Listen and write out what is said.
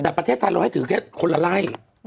แต่ประเทศไทยเราให้ถือแค่คนละไล่